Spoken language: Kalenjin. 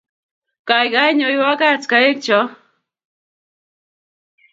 Kaikai, nyoiwo kaat kaekcho